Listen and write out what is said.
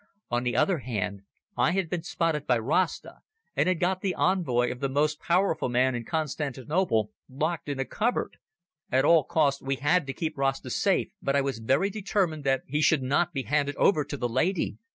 On the other hand, I had been spotted by Rasta, and had got the envoy of the most powerful man in Constantinople locked in a cupboard. At all costs we had to keep Rasta safe, but I was very determined that he should not be handed over to the lady.